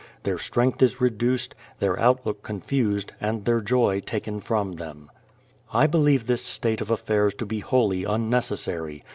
Their strength is reduced, their outlook confused and their joy taken from them. I believe this state of affairs to be wholly unnecessary.